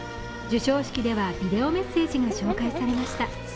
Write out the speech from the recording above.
授賞式では、ビデオメッセージが紹介されました。